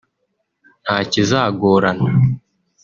nta kizagorana